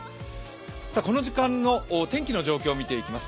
この時間の天気の状況を見ていきます。